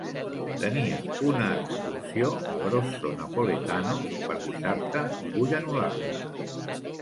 Tenia una excursió a Grosso Napoletano per dissabte i vull anul·lar-la.